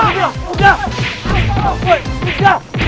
udah udah udah